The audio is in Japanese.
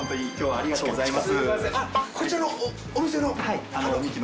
ありがとうございます。